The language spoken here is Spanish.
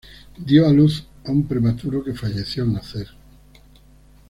Dio a luz a un prematuro que falleció al nacer.